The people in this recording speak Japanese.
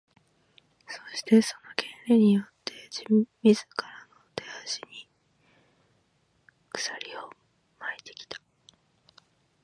そして、その「権利」によって自らの手足に鎖を巻いてきた。